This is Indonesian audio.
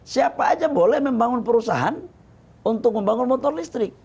siapa aja boleh membangun perusahaan untuk membangun motor listrik